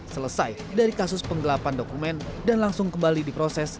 selesai dari kasus penggelapan dokumen dan langsung kembali diproses